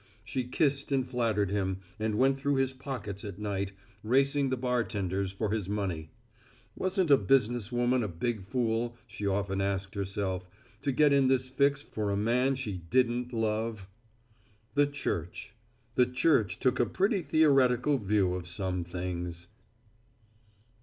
She kissed and flattered him, and went through his pockets at night, racing the bartenders for his money. Wasn't a business woman a big fool, she often asked herself, to get in this fix for a man she didn't love? The Church the Church took a pretty theoretical view of some things.